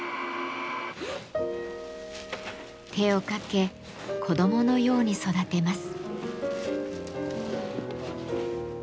手をかけ子どものように育てます。